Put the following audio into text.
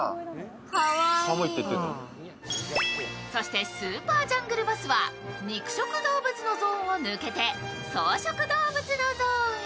そしてスーパージャングルバスは肉食動物のゾーンを抜けて草食動物のゾーンへ。